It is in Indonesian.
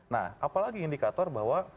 nah apalagi indikator bahwa